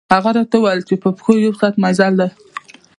هغه راته ووېل چې په پښو یو ساعت مزل دی.